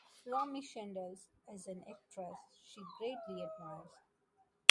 Romy Schneider is an actress she greatly admires.